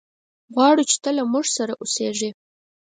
غواړو چې ته له موږ سره اوسېږي.